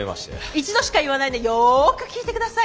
一度しか言わないんでよく聞いて下さい。